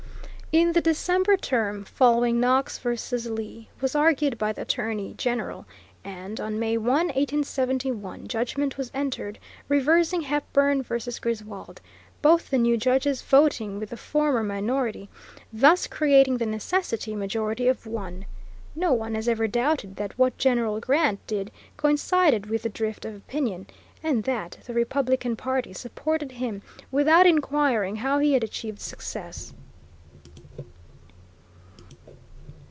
In the December Term following Knox v. Lee was argued by the Attorney General, and, on May 1, 1871, judgment was entered reversing Hepburn v. Griswold, both the new judges voting with the former minority, thus creating the necessary majority of one. No one has ever doubted that what General Grant did coincided with the drift of opinion, and that the Republican party supported him without inquiring how he had achieved success.